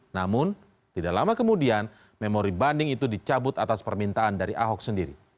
namun tidak lama kemudian memori banding itu dicabut atas permintaan dari ahok sendiri